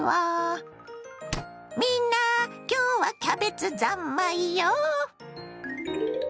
みんな今日はキャベツ三昧よ！